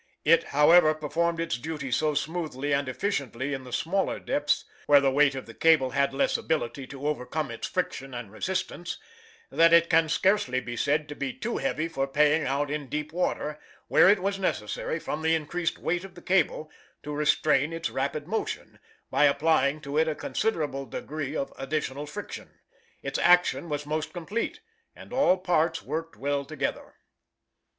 It, however, performed its duty so smoothly and efficiently in the smaller depths where the weight of the cable had less ability to overcome its friction and resistance that it can scarcely be said to be too heavy for paying out in deep water, where it was necessary, from the increased weight of cable, to restrain its rapid motion, by applying to it a considerable degree of additional friction. Its action was most complete, and all parts worked well together.